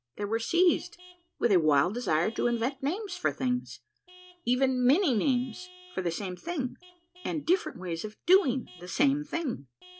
They were seized with a wild desire to invent names for things ; even many names for the same thing, and different ways of doing the same thing.